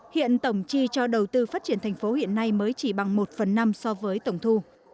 hiện tổng chi cho đầu tư phát triển thành phố hiện nay mới chỉ bằng một phần năm so với tổng thu